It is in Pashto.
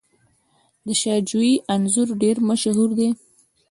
د شاه جوی انځر ډیر مشهور دي.